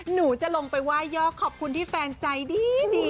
หนูจะลงไปว่ายย่อขอบคุณที่แฟนใจดีค่ะ